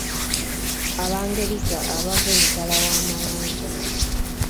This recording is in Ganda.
Abangereza abaava emitala w’amayanja.